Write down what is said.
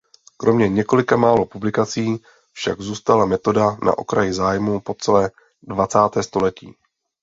Kromě několika málo publikací však zůstala metoda na okraji zájmu po celé dvacáté století.